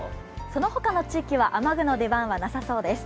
そのほかの地域は雨具の出番はなさそうです。